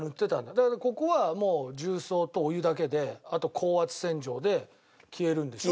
だからここはもう重曹とお湯だけであと高圧洗浄で消えるんでしょ？